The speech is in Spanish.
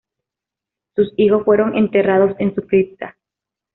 Sus hijos fueron enterrados en su cripta.